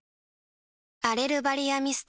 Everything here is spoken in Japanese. アレルバリアミスト